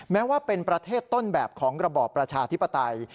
แม้ว่าเป็นประเทศต้นแบบของระบอบประชาธิปไตย